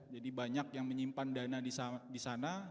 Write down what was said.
jadi banyak yang menyimpan dana di sana